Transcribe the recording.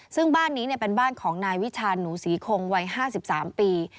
ซึ่งบ้านนี้เป็นบ้านของนายวิชาหนูศรีคงวัย๕๓ปี